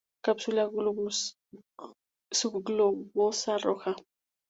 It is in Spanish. Cápsula subglobosa, roja.